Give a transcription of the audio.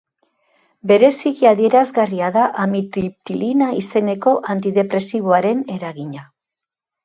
Bereziki adierazgarria da amitriptilina izeneko antidepresiboaren eragina.